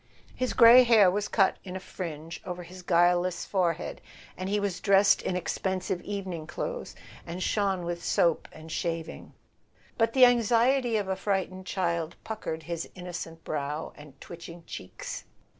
His grey hair was cut in a fringe over his guileless forehead, and he was dressed in ex [3G] A SON AT THE FRONT pensive evening clothes, and shone with soap and shav¬ ing; but the anxiety of a frightened child puckered his innocent brow and twitching cheeks.